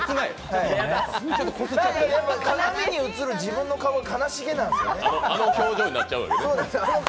やっぱ鏡に映る自分の顔が悲しげなんですよね。